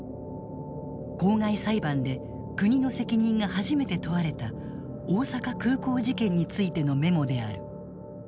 公害裁判で国の責任が初めて問われた大阪空港事件についてのメモである。